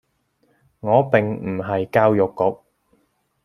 我並唔係教育局